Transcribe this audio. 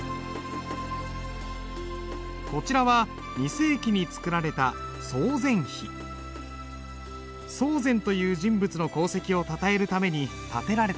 こちらは２世紀に作られた曹全という人物の功績をたたえるために建てられた碑だ。